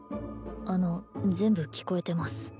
あの全部聞こえてます